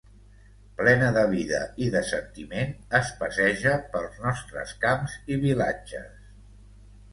Plena de vida i de sentiment, es passeja pels nostres camps i vilatges.